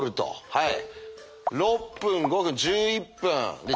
はい。